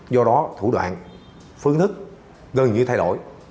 do đó thủ đoạn phương thức gần như thay đổi